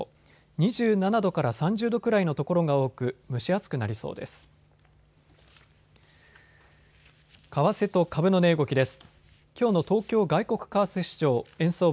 ２７度から３０度くらいの所が多く、蒸し暑くなりそうです。